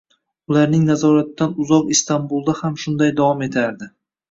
ularning nazoratidan uzoq Istambulda ham shunday davom etardi.